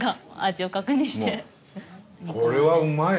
これはうまい！